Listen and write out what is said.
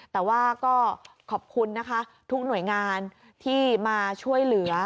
แต่ว่าก็ขอบคุณนะคะทุกหน่วยงานที่มาช่วยเหลือ